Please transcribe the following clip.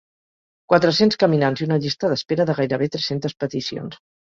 Quatre-cents caminants i una llista d’espera de gairebé tres-centes peticions.